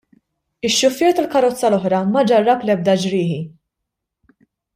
Ix-xufier tal-karozza l-oħra ma ġarrab l-ebda ġrieħi.